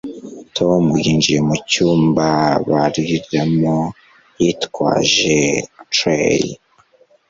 Tom yinjiye mu cyumba bariramo, yitwaje tray.